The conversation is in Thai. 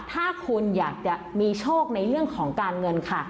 ถ้าคุณอยากจะมีโชคในเรื่องของการเงินค่ะ